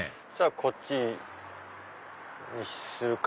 こっちにするか。